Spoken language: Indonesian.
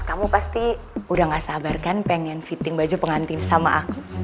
kamu pasti udah gak sabar kan pengen fitting baju pengantin sama aku